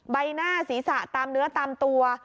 ใบหน้าศีรษะตามเนื้อตามตัว